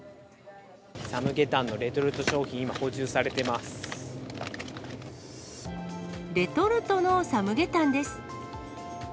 サムゲタンのレトルト商品、レトルトのサムゲタンです。